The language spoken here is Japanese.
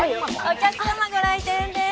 お客様ご来店です。